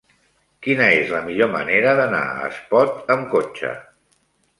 Quina és la millor manera d'anar a Espot amb cotxe?